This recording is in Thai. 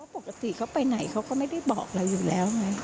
ปกติเขาไปไหนเขาก็ไม่ได้บอกเราอยู่แล้วไง